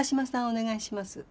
お願いします。